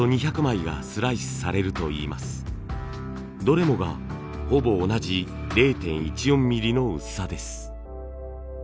どれもがほぼ同じ０．１４ミリの薄さです。